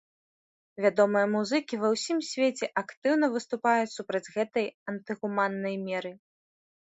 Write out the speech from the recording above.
Вядомыя музыкі ва ўсім свеце актыўна выступаюць супраць гэтай антыгуманнай меры.